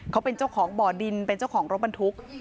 เขาเป็นเจ้าของบ่อดินเป็นเจ้าของรถบรรทุก